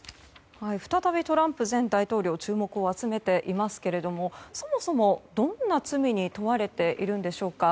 再びトランプ前大統領が注目を集めていますがそもそもどんな罪に問われているんでしょうか。